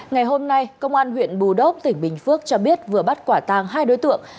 ngày hôm nay công an huyện bù đốc tỉnh bình phước cho biết vừa bắt quả tàng hai đối tượng